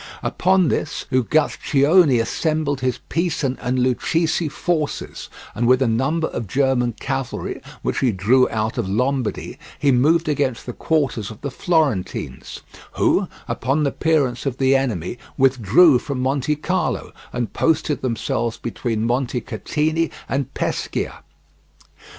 Upon this Uguccione assembled his Pisan and Lucchese forces, and with a number of German cavalry which he drew out of Lombardy, he moved against the quarters of the Florentines, who upon the appearance of the enemy withdrew from Montecarlo, and posted themselves between Montecatini and Pescia.